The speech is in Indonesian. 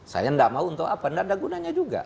saya nggak mau untuk apa nggak ada gunanya juga